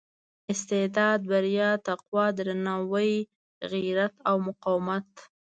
استعداد بریا تقوا درناوي غیرت او مقاومت.